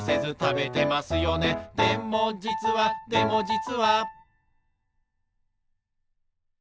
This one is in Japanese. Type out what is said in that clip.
「でもじつはでもじつは」